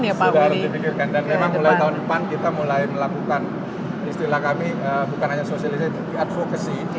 dan memang mulai tahun depan kita mulai melakukan istilah kami bukan hanya sosialisasi tapi advocacy